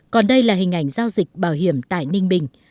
còn đây là hình ảnh giao dịch bảo hiểm tại ninh bình